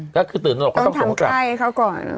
ต้องทำไข้เขาก่อน